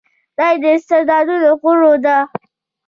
دا د استعدادونو غوړولو ده.